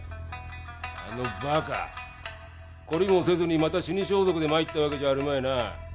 あのバカ懲りもせずにまた死装束で参ったわけじゃあるまいな？